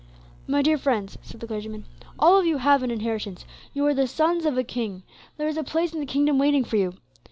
"My dear friends," said the clergyman, "all of you have an inheritance; you are the sons of a King; there is a place in the kingdom waiting for you.